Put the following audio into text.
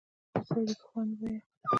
سړي په خوند وويل: